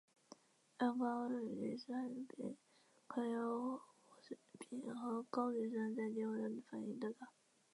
二高氯酸肼可由水合肼和高氯酸在低温反应得到。